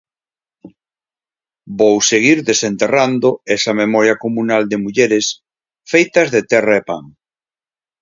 Vou seguir desenterrando esa memoria comunal de mulleres feitas de terra e pan.